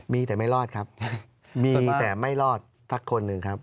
มีแต่ไม่รอดครับมีแต่ไม่รอดสักคนหนึ่งครับ